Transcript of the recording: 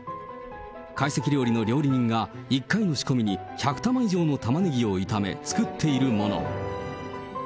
懐石料理の料理人が、１回の仕込みに１００玉以上の玉ねぎを炒め、作っているもの。